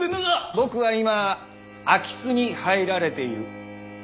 僕は今空き巣に入られている。